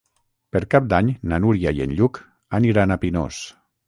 Per Cap d'Any na Núria i en Lluc aniran a Pinós.